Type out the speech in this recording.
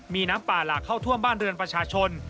มีน้ำป่าหลากเข้าท่วมบ้านเรือนประชาชน